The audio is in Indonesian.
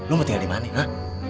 lo mau tinggal dimana